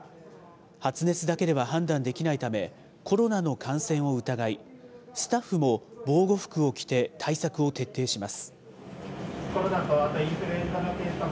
発熱だけでは判断できないため、コロナの感染を疑い、スタッフも防護服を着て対策を徹底します。